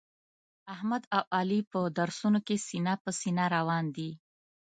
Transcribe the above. احمد او علي په درسونو کې سینه په سینه روان دي.